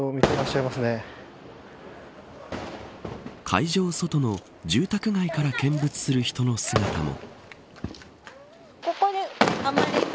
会場外の住宅街から見物する人の姿も。